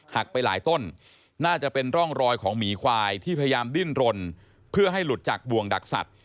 ไปหลายต้นน่าจะเป็นร่องรอยของหมีควายที่พยายามดิ้นรนเพื่อให้หลุดจากบ่วงดักสัตว